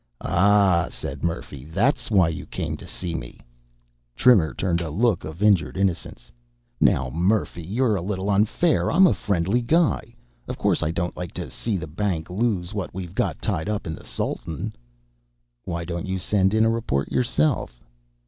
"Ah," said Murphy. "That's why you came to see me." Trimmer turned a look of injured innocence. "Now, Murphy, you're a little unfair. I'm a friendly guy. Of course I don't like to see the bank lose what we've got tied up in the Sultan." "Why don't you send in a report yourself?"